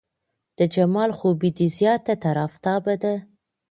د جمال خوبي دې زياته تر افتاب ده